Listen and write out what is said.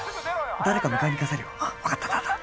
誰か迎えに行かせるよ分かった？